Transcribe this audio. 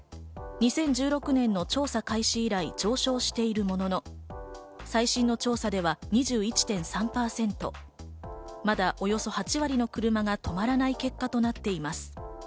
２０１６年の調査開始以来、上昇しているものの、最新の調査では２１．３％、まだおよそ８割の車が止まらない結果となっています。